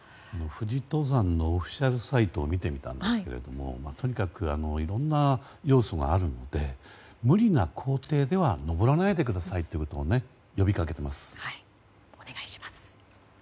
富士登山のオフィシャルサイトを見てみたんですがとにかくいろんな要素があるので無理な行程では登らないで下さいということも呼びかけてます。